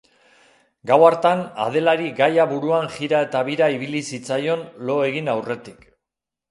Gau hartan Adelari gaia buruan jira eta bira ibili zitzaion lo egin aurretik.